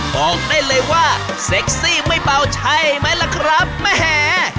บอกได้เลยว่าเซ็กซี่ไม่เบาใช่ไหมล่ะครับแหม